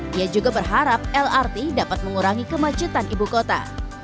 dia juga berharap lrt dapat mengurangi kemacetan ibu kota